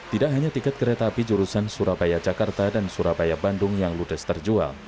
tidak hanya tiket kereta api jurusan surabaya jakarta dan surabaya bandung yang ludes terjual